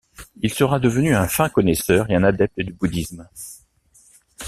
Il sera devenu un fin connaisseur et un adepte du bouddhisme.